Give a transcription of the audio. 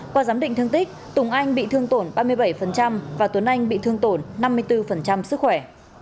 qua giám định thương tích tùng anh bị thương tổn ba mươi bảy và tuấn anh bị thương tổn năm mươi bốn sức khỏe